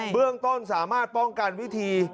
เบื้องต้นสามารถป้องกันวิธี